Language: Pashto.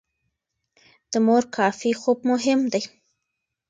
د مور کافي خوب مهم دی.